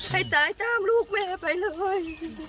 ให้ตายตามลูกแม่ไปเลย